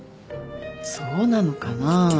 そうなのかな。